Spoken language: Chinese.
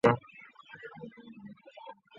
地面喷泉一直停用至今。